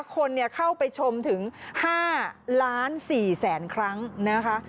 คนเข้าไปชมถึง๕ล้าน๔แสนครั้งนะคะ